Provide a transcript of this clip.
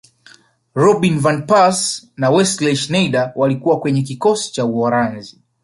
robin van persie na wesley snejder walikuwa kwenye kikosi cha uholanzi